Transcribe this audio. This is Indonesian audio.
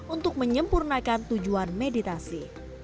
untuk menyempurnakan tujuan meditasi